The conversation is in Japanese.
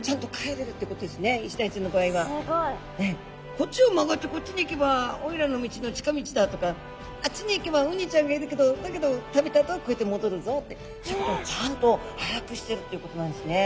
「こっちを曲がってこっちに行けばオイラの道の近道だ」とか「あっちに行けばウニちゃんがいるけどだけど食べたあとはこうやってもどるぞ」ってちゃんと把握してるっていうことなんですね。